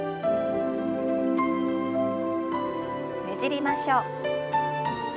ねじりましょう。